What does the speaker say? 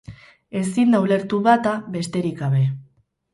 Ezin da ulertu bata besterik gabe.